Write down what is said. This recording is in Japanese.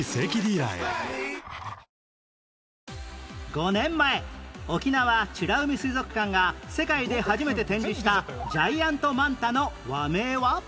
５年前沖縄美ら海水族館が世界で初めて展示したジャイアントマンタの和名は？